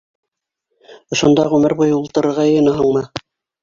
Ошонда ғүмер буйы ултырырға йыйынаһыңмы?